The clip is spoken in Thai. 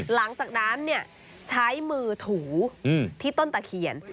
หลังจากนั้นใช้มือถูที่ต้นตะเคียน